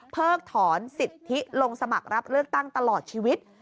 เพิกถอนสิทธิลงสมัครรับเลือกตั้งตลอดชีวิต